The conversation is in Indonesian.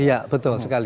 iya betul sekali